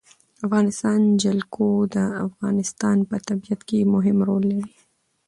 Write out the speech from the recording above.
د افغانستان جلکو د افغانستان په طبیعت کې مهم رول لري.